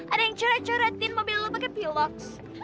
ada yang ceret ceretin mobil lo pake piloks